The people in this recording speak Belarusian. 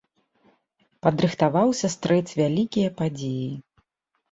Падрыхтаваўся стрэць вялікія падзеі.